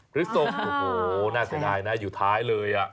ทรงโอ้โหน่าเสียดายนะอยู่ท้ายเลย